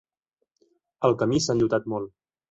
El camí s'ha enllotat molt.